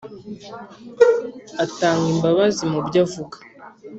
Atanga imbabazi mu byo avuga